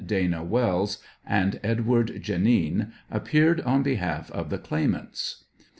Dana Wells, and Edward Janin appeared on behalf of the claimants.